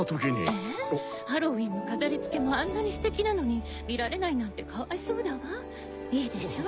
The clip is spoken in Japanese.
えハロウィンの飾り付けもあんなにステキなのに見られないなんてかわいそうだわいいでしょ？